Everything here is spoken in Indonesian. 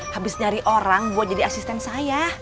habis nyari orang buat jadi asisten saya